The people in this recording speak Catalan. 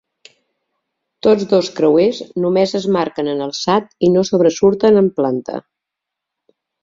Tots dos creuers només es marquen en alçat i no sobresurten en planta.